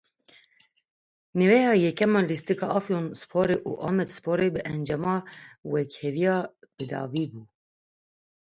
Nîveya yekem a lîstika Afyonspor û Amedsporê bi encama wekheviyê bidawî bû.